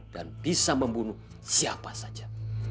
dan bisa membunuh siapa saja